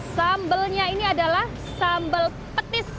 sambalnya ini adalah sambal petis